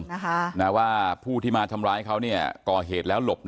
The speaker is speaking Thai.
เพราะว่าผู้ที่มาทำร้ายเขาเนี่ยดีเก่าเหตุแล้วหลบหนี